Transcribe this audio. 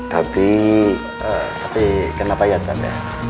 tapi tapi kenapa ya pak